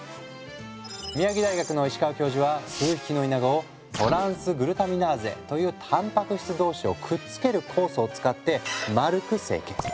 宮城大学の石川教授は数匹のイナゴをトランスグルタミナーゼというタンパク質同士をくっつける酵素を使って丸く成形。